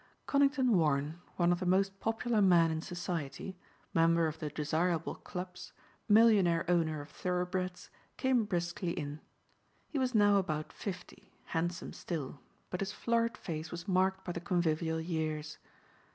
Conington Warren, one of the most popular men in society, member of the desirable clubs, millionaire owner of thoroughbreds, came briskly in. He was now about fifty, handsome still, but his florid face was marked by the convivial years.